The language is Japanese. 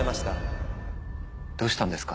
どうしたんですか？